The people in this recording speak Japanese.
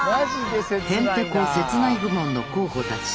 へんてこ切ない部門の候補たち。